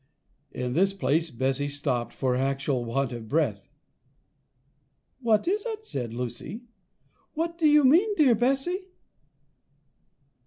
In this place Bessy stopped for actual want of breath. "What is it?" said Lucy; "what do you mean, dear Bessy?"